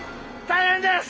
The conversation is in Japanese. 大変です！